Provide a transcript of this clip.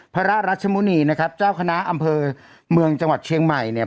พระราชมุณีนะครับเจ้าคณะอำเภอเมืองจังหวัดเชียงใหม่เนี่ย